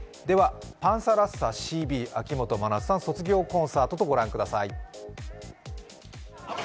パンサラッサ、シービー、秋元真夏さん、秋元真夏さん卒業コンサートと御覧ください。